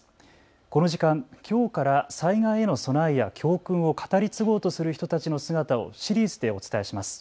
この時間、きょうから災害への備えや教訓を語り継ごうとする人たちの姿をシリーズでお伝えします。